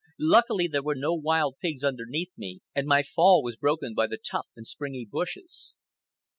Luckily, there were no wild pigs under me, and my fall was broken by the tough and springy bushes.